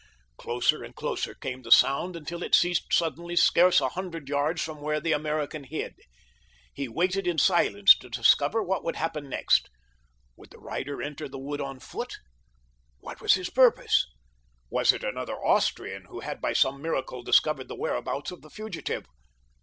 Closer and closer came the sound until it ceased suddenly scarce a hundred yards from where the American hid. He waited in silence to discover what would happen next. Would the rider enter the wood on foot? What was his purpose? Was it another Austrian who had by some miracle discovered the whereabouts of the fugitive?